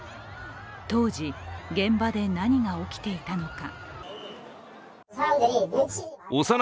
当時、現場で何が起きていたのか。